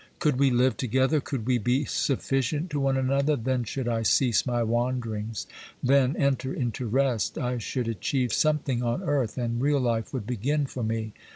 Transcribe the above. Could we live together, could we be sufficient to one another, then should I cease my wanderings, then 28 OBERMANN enter into rest ; I should achieve something on earth, and real life would begin for me.